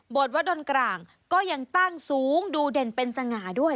วัดดนกลางก็ยังตั้งสูงดูเด่นเป็นสง่าด้วย